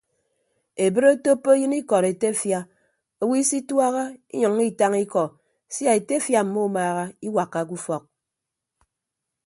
Ebre otoppo eyịn ikọd etefia owo isituaha inyʌññọ itañ ikọ sia etefia mmumaaha iwakkake ufọk.